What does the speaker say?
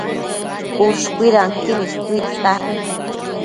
Ushcuidanquin istuidtia